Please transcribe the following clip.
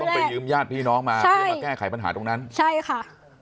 ไปยืมญาติพี่น้องมาเพื่อมาแก้ไขปัญหาตรงนั้นใช่ค่ะ